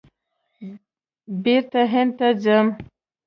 بېرته هند ته ځم !